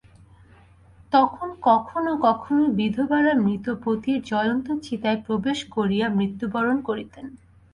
তখন কখনও কখনও বিধবারা মৃত পতির জ্বলন্ত চিতায় প্রবেশ করিয়া মৃত্যু বরণ করিতেন।